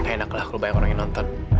enak lah kalau banyak orang yang nonton